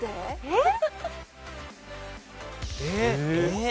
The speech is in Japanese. えっ？